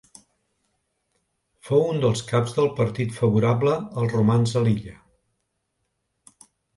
Fou un dels caps del partit favorable als romans a l'illa.